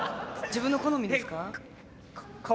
自分の好みですか？